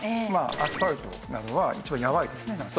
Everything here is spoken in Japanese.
アスファルトなどは一番やわいですね夏。